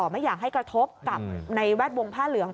ไม่อยากให้กระทบกับในแวดวงผ้าเหลือง